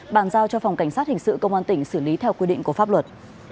bàn giao cho phòng cảnh sát hình sự công an tỉnh xử lý theo quy định của pháp luật